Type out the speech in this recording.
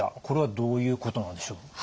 これはどういうことなんでしょう？